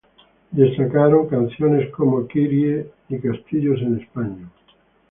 Canciones como "Kyrie", "Castles In Spain" destacaron.